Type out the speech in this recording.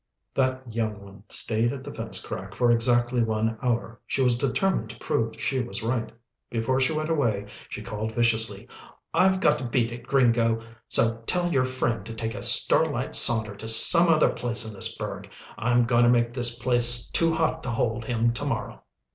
That young one stayed at the fence crack for exactly one hour. She was determined to prove she was right. Before she went away, she called viciously, "I've got to beat it, Gringo, so tell your friend to take a starlight saunter to some other place in this burg. I'm goin' to make this place too hot to hold him to morrow."